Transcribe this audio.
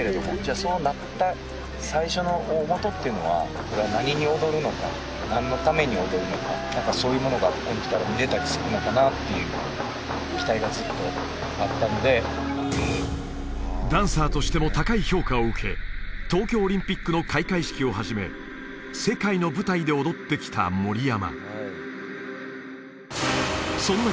あそうなった最初の大本っていうのは何かそういうものがここに来たら見れたりするのかなっていうのは期待がずっとあったのでダンサーとしても高い評価を受け東京オリンピックの開会式をはじめ世界の舞台で踊ってきた森山